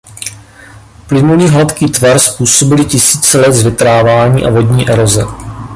Plynulý hladký tvar způsobily tisíce let zvětrávání a vodní eroze.